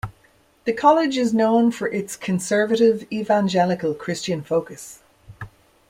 The college is known for its conservative evangelical Christian focus.